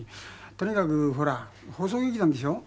とにかくほら放送劇団でしょ。